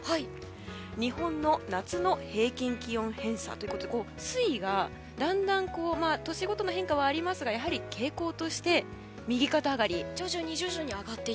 日本の夏の平均気温偏差ということで推移が、だんだん年ごとの変化はありますがやはり傾向として右肩上がり。